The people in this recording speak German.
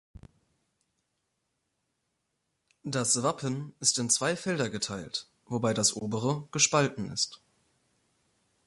Das Wappen ist in zwei Felder geteilt, wobei das obere gespalten ist.